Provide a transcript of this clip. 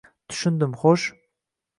— Tushundim, xo‘sh?